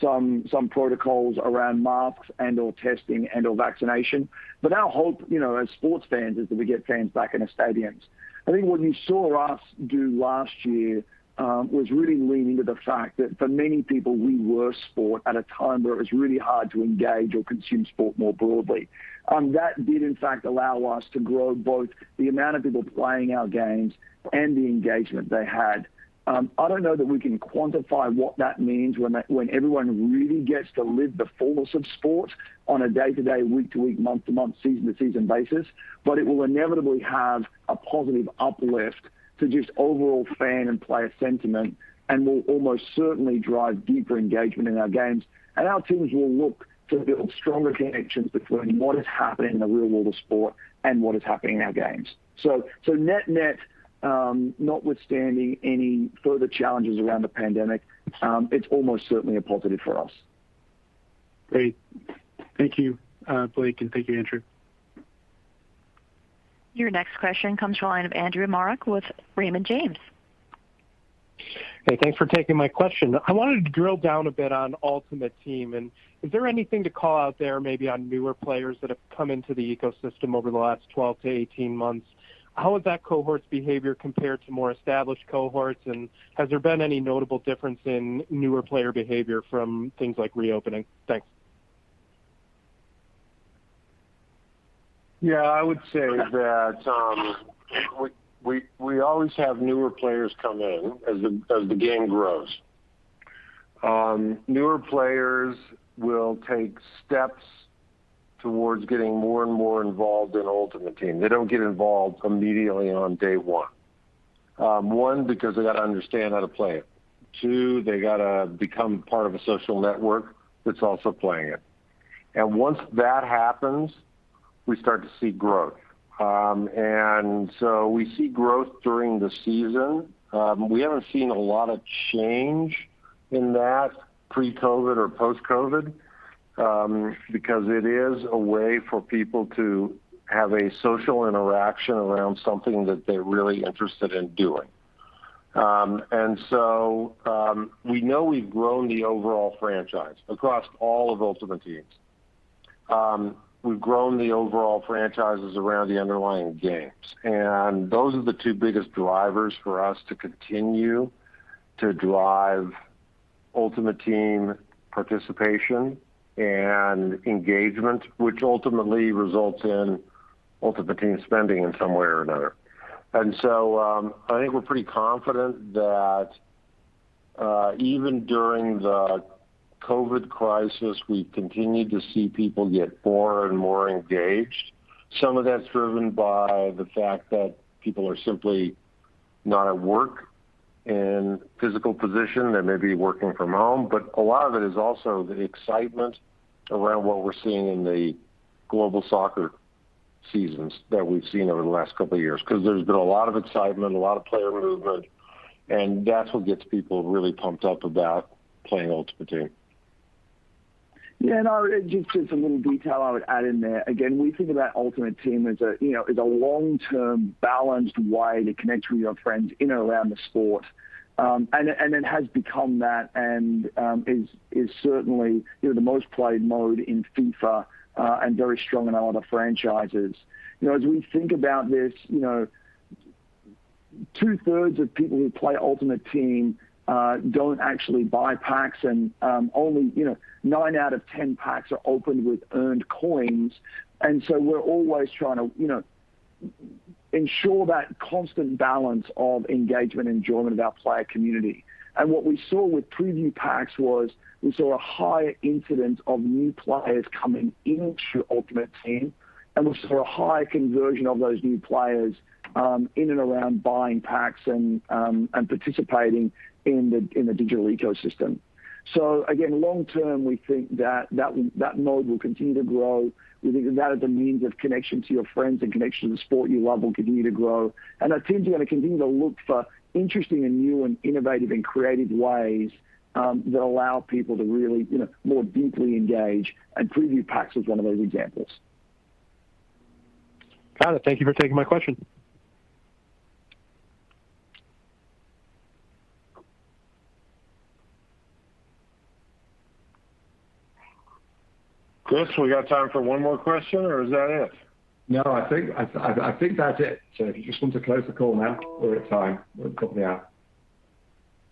C: some protocols around masks and/or testing and/or vaccination. Our hope, as sports fans, is that we get fans back in the stadiums. I think what you saw us do last year was really lean into the fact that for many people, we were sport at a time where it was really hard to engage or consume sport more broadly. That did in fact allow us to grow both the amount of people playing our games and the engagement they had. I don't know that we can quantify what that means when everyone really gets to live the fullness of sport on a day-to-day, week-to-week, month-to-month, season-to-season basis, but it will inevitably have a positive uplift to just overall fan and player sentiment and will almost certainly drive deeper engagement in our games. Our teams will look to build stronger connections between what is happening in the real world of sport and what is happening in our games. Net-net, notwithstanding any further challenges around the pandemic, it's almost certainly a positive for us.
M: Great. Thank you, Blake, and thank you, Andrew.
A: Your next question comes from the line of Andrew Marok with Raymond James.
N: Hey, thanks for taking my question. I wanted to drill down a bit on Ultimate Team, and is there anything to call out there maybe on newer players that have come into the ecosystem over the last 12 to 18 months? How has that cohort's behavior compared to more established cohorts, and has there been any notable difference in newer player behavior from things like re-opening? Thanks.
D: Yeah, I would say that we always have newer players come in as the game grows. Newer players will take steps towards getting more and more involved in Ultimate Team. They don't get involved immediately on day one. One, because they got to understand how to play it. Two, they got to become part of a social network that's also playing it. Once that happens, we start to see growth. We see growth during the season. We haven't seen a lot of change in that pre-COVID or post-COVID, because it is a way for people to have a social interaction around something that they're really interested in doing. We know we've grown the overall franchise across all of Ultimate Teams. We've grown the overall franchises around the underlying games, and those are the two biggest drivers for us to continue to drive Ultimate Team participation and engagement, which ultimately results in Ultimate Team spending in some way or another. I think we're pretty confident that, even during the COVID crisis, we continued to see people get more and more engaged. Some of that's driven by the fact that people are simply not at work in a physical position. They may be working from home. A lot of it is also the excitement around what we're seeing in the global soccer seasons that we've seen over the last couple of years, because there's been a lot of excitement, a lot of player movement, and that's what gets people really pumped up about playing Ultimate Team.
C: Just a little detail I would add in there. Again, we think about Ultimate Team as a long-term, balanced way to connect with your friends in and around the sport. It has become that, is certainly the most-played mode in FIFA, very strong in our other franchises. As we think about this, two-thirds of people who play Ultimate Team don't actually buy packs, only 9 out of 10 packs are opened with earned coins. We're always trying to ensure that constant balance of engagement and enjoyment of our player community. What we saw with Preview Packs was we saw a higher incidence of new players coming into Ultimate Team, we saw a higher conversion of those new players in and around buying packs and participating in the digital ecosystem. Again, long term, we think that mode will continue to grow. We think that as a means of connection to your friends and connection to the sport you love will continue to grow. Our teams are going to continue to look for interesting and new and innovative and creative ways that allow people to really more deeply engage, and Preview Packs is one of those examples.
N: Got it. Thank you for taking my question.
D: Chris, we got time for one more question or is that it?
B: No, I think that's it. If you just want to close the call now. We're at time. We've got the hour.